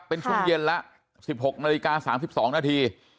เป็นช่วงเย็นละสิบหกนาฬิกาสามสิบสองนาที